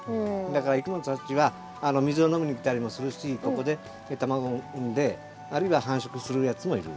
だからいきものたちは水を飲みにきたりもするしここで卵を産んであるいは繁殖するやつもいる。